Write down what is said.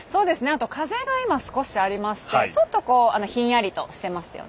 今、風が少しありまして少し、ひんやりとしてますよね。